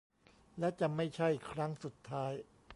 และจะไม่ใช่ครั้งสุดท้าย